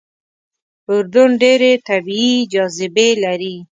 اردن ډېرې طبیعي جاذبې لري.